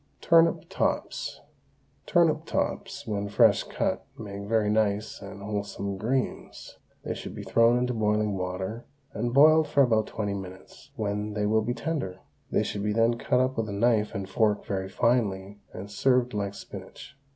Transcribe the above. TURNIP TOPS. Turnip tops, when fresh cut, make very nice and wholesome greens. They should be thrown into boiling water and boiled for about twenty minutes, when they will be tender. They should then be cut up with a knife and fork very finely and served like spinach.